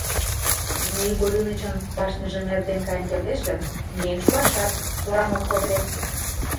Змей Горынычын башньыжым эртен каен кертеш гын, миен шуашат торан ок код ыле.